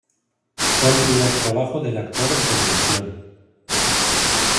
Fue el primer trabajo del actor en televisión.